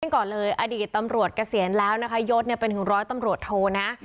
ก่อนเลยอดีตตำรวจเกษียณแล้วนะคะยศเนี่ยเป็นถึงร้อยตำรวจโทนะ